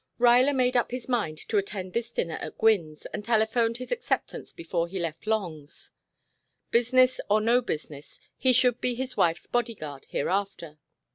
"] Ruyler made up his mind to attend this dinner at Gwynne's, and telephoned his acceptance before he left Long's. Business or no business, he should be his wife's bodyguard hereafter.